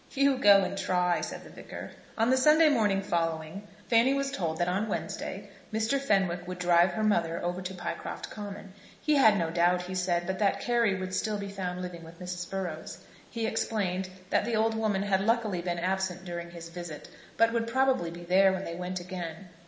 "You go and try," said the Vicar. On the Sunday morning following, Fanny was told that on Wednesday Mr. Fenwick would drive her mother over to Pycroft Common. He had no doubt, he said, but that Carry would still be found living with Mrs. Burrows. He explained that the old woman had luckily been absent during his visit, but would probably be there when they went again.